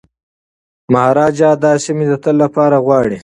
مهاراجا دا سیمي د تل لپاره غواړي.